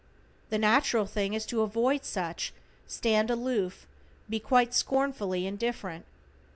The natural thing is to avoid such, stand aloof, be quite scornfully indifferent.